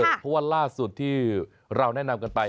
เพราะว่าล่าสุดที่เราแนะนำกันไป